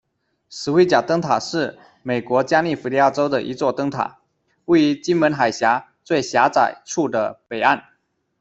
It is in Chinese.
石灰岬灯塔是美国加利福尼亚州的一座灯塔，位于金门海峡最狭窄处的北岸。